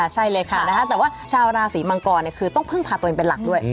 ใช่เลยค่ะแต่ว่าชาวราศีมังกรคือต้องพึ่งพาตัวเองเป็นหลักด้วย